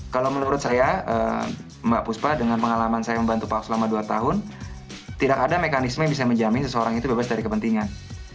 kalau menurut saya mbak puspa dengan pengalaman saya membantu pak ahok selama dua tahun tidak ada mekanisme yang bisa menjamin seseorang itu bebas dari kepentingan